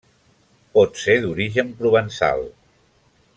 Pot ser d'origen provençal.